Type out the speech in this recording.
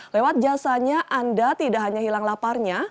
lewat jasanya anda tidak hanya hilang laparnya